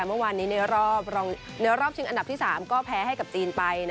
เมื่อวานนี้ในรอบชิงอันดับที่๓ก็แพ้ให้กับจีนไป